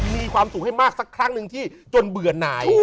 มีความสุขให้มากสักครั้งหนึ่งที่จนเบื่อหน่าย